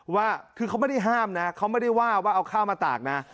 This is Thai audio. ว่าคือเขาไม่ได้ห้ามนะเขาไม่ได้ว่าว่าเอาข้าวมาตากนะ